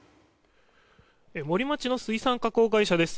森町の水産加工会社です